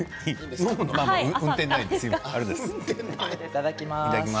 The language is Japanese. いただきます。